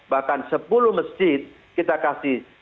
bahkan sepuluh masjid kita kasih